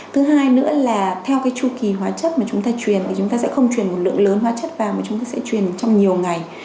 thứ hai nữa là theo cái chu kỳ hóa chất mà chúng ta truyền thì chúng ta sẽ không truyền một lượng lớn hóa chất vào mà chúng ta sẽ truyền trong nhiều ngày